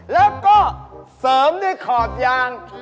แล้วก็เสริมในขอดยาง